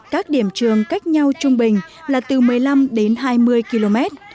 các điểm trường cách nhau trung bình là từ một mươi năm đến hai mươi km